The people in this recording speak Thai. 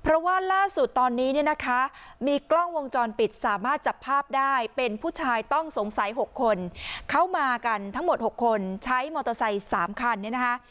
เพราะว่าล่าสุดตอนนี้เนี่ยนะคะมีกล้องวงจรปิดสามารถจับภาพได้เป็นผู้ชายต้องสงสัย๖คนเข้ามากันทั้งหมด๖คนใช้มอเตอร์ไซค์๓คันเนี่ยนะคะ